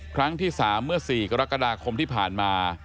ครั้งที่๓เมื่อ๔กรกฎาคมที่ผ่านมา